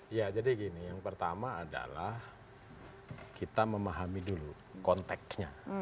iya jadi gini yang pertama adalah kita memahami dulu konteknya